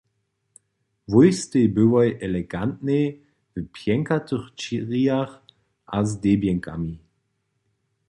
Wój stej byłoj elegantnej w pjenkatych črijach a z debjenkami.